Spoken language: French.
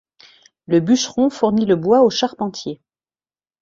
Le bûcheron fournit le bois aux charpentiers.